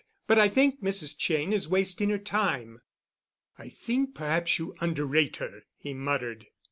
But I think Mrs. Cheyne is wasting her time." "I think perhaps you underrate her," he muttered.